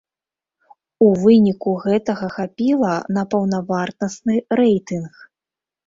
У выніку гэтага хапіла на паўнавартасны рэйтынг.